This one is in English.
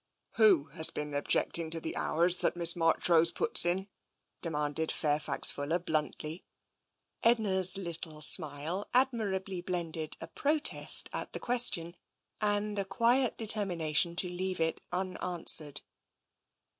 "Who has been objecting to the hours that Miss Marchrose puts in ?" demanded Fairfax Fuller bluntly. Edna's little smile admirably blended a protest at the question and a quiet determination to leave it un answered.